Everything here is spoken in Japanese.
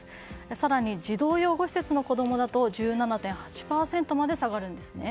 更に児童養護施設の子供だと１７．８％まで下がるんですね。